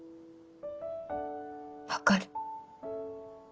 分かる。